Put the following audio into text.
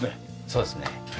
そうですね。